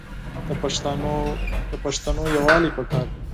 د پښتانو یوالي پکار دی.